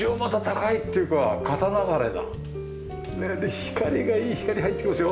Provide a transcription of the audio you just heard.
光がいい光入ってきますよ。